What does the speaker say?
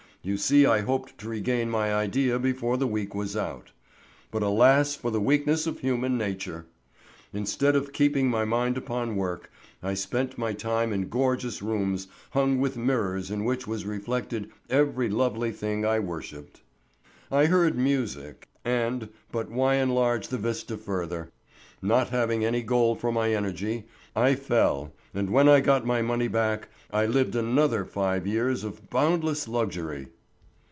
You see I hoped to regain my idea before the week was out. But alas for the weakness of human nature! Instead of keeping my mind upon work, I spent my time in gorgeous rooms hung with mirrors in which was reflected every lovely thing I worshipped. I heard music, and—but why enlarge the vista further? Not having any goal for my energy, I fell, and when I got my money back, I lived another five years of boundless luxury.